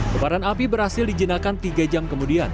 kebaran api berhasil dijinakan tiga jam kemudian